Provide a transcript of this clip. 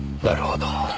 なるほど。